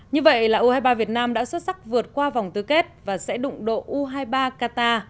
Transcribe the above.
như vậy là u hai mươi ba việt nam đã xuất sắc vượt qua vòng tứ kết và sẽ đụng độ u hai mươi ba qatar